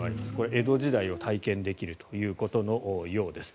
江戸時代を体験できるということのようです。